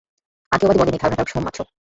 অজ্ঞেয়বাদী বলেন, এই ধারণাটা ভ্রমমাত্র।